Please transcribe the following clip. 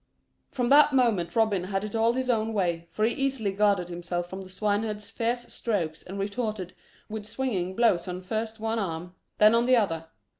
From that moment Robin had it all his own way, for he easily guarded himself from the swineherd's fierce strokes and retorted with swinging blows on first one arm, then on the other.